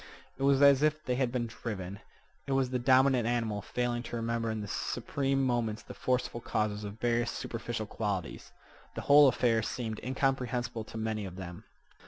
It was as if they had been driven. It was the dominant animal failing to remember in the supreme moments the forceful causes of various superficial qualities. The whole affair seemed incomprehensible to many of them.